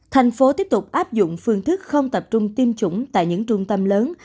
thành phố tiếp tục áp dụng phương thức không tập trung tiêm chủng tại những trung tâm lớn